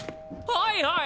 はいはい！